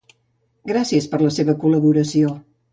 Gràcies per la seva col·laboració.